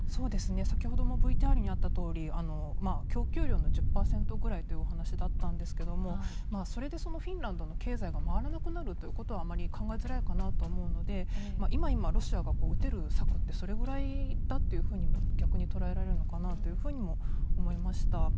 先ほどもＶＴＲにあったとおり供給量の１０％ぐらいというお話だったんですけれどもそれでフィンランドの経済が回らなくなるということは考えづらいと思うので今ロシアが打てる策ってそれくらいだと逆に捉えられるのかなとも思いました。